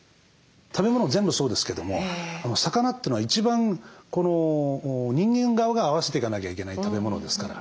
食べ物全部そうですけども魚というのは一番人間側が合わせていかなきゃいけない食べ物ですから。